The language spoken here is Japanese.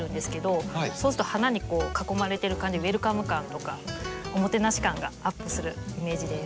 そうすると花に囲まれてる感じでウエルカム感とかおもてなし感がアップするイメージです。